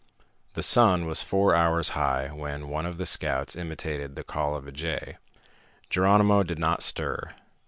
The sun was four hours high when one of the scouts imitated the call of a jay. Geronimo did not stir.